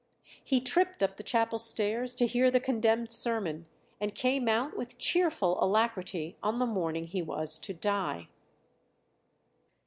He tripped up the chapel stairs to hear the condemned sermon, and came out with cheerful alacrity on the morning he was to die.